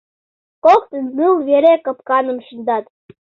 Коктын ныл вере капканым шындат.